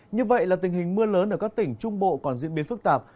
như vậy là tình hình mưa lớn ở các tỉnh trung bộ còn diễn biến phức tạp